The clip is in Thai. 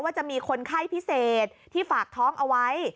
จะมีคนไข้พิเศษที่ฝากท้องเอาไว้